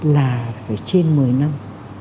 là phải trên một mươi năm